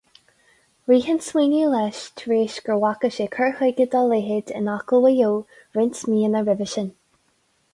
Rith an smaoineamh leis tar éis go bhfaca sé cur chuige dá leithéid in Acaill Mhaigh Eo roinnt míonna roimhe sin.